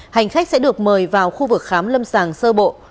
hành khách sẽ được mời vào khu vực khám lâm sàng sơ bộ